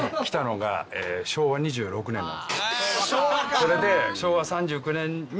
それで。